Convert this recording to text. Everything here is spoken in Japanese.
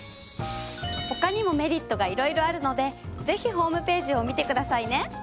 他にもメリットが色々あるのでぜひホームページを見てくださいね。